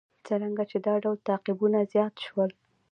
څرنګه چې دا ډول تعقیبونه زیات شول.